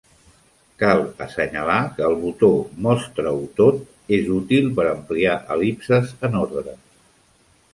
Cal assenyalar que el botó "Mostra-ho tot" és útil per ampliar el·lipses en ordres.